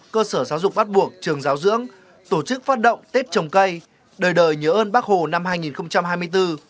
cơ sở giáo dục bắt buộc trường giáo dưỡng tổ chức phát động tết trồng cây đời đời nhớ ơn bác hồ năm hai nghìn hai mươi bốn